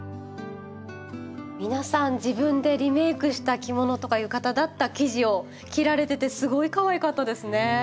皆さん自分でリメイクした着物とか浴衣だった生地を着られててすごいかわいかったですね。